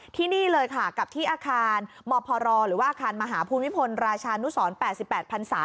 ที่นี่เลยค่ะกับที่อาคารมพรหรือว่าอาคารมหาภูมิพลราชานุสร๘๘พันศา